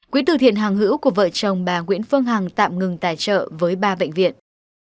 quỹ từ thiện hàng hữu của vợ chồng bà nguyễn phương hằng tạm ngừng tài trợ với ba bệnh viện